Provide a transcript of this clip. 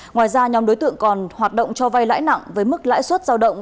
ngoài ra nhóm đối tượng còn hoạt động cho vay lãi nặng với mức lãi suất giao động